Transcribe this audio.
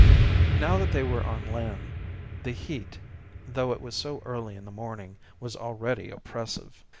Now that they were on land the heat, though it was so early in the morning, was already oppressive.